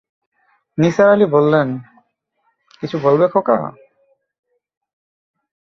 নিসার আলি বললেন, কিছু বলবে খোকা?